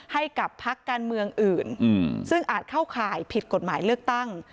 ให้กับพักการเมืองอื่นซึ่งอาจเข้าข่ายผิดกฎหมายเลือกตั้ง